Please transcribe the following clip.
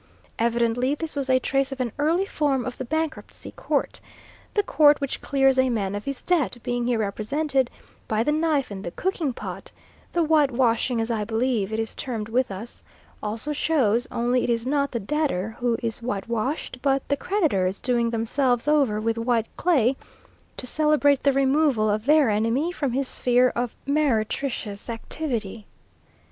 Evidently this was a trace of an early form of the Bankruptcy Court; the court which clears a man of his debt, being here represented by the knife and the cooking pot; the whitewashing, as I believe it is termed with us, also shows, only it is not the debtor who is whitewashed, but the creditors doing themselves over with white clay to celebrate the removal of their enemy from his sphere of meretricious activity.